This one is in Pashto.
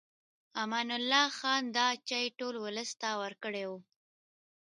امان الله خان دا چای ټول ولس ته ورکړی و.